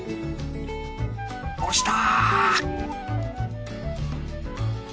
押した！